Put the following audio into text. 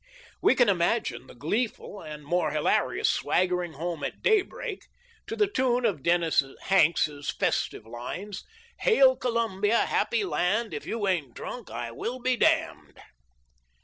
We can imagine the gleeful and more hilarious swaggering home at daybreak to the tune of Den nis Hanks' festive lines :" Hail Columbia, happy land, If you ain't drunk I will be damned."